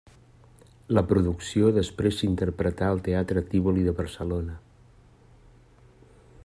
La producció després s'interpretà al teatre Tívoli de Barcelona.